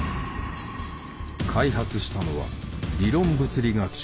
開発したのは理論物理学者